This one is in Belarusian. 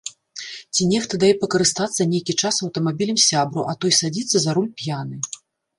Ці нехта дае пакарыстацца нейкі час аўтамабілем сябру, а той садзіцца за руль п'яны.